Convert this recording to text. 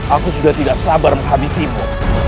aku sudah tidak sabar menghabisimu